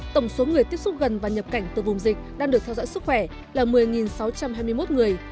tổng số người tiếp xúc gần và nhập cảnh từ vùng dịch đang được theo dõi sức khỏe là một mươi sáu trăm hai mươi một người